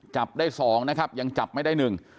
จับได้๒นะครับยังจับไม่ได้๑